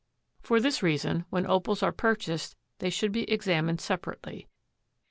For this reason when Opals are purchased they should be examined separately.